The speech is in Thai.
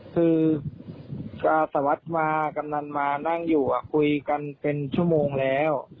คือสวัสดิ์มากำนันมานั่งอยู่คุยกันเป็นชั่วโมงแล้ว